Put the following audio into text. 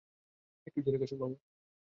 একটু ঝেড়ে কাশুন!